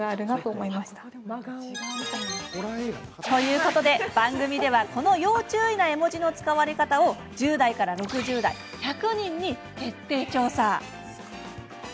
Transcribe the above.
ということで、番組ではこの要注意な絵文字の使われ方を１０代から６０代１００人に徹底調査。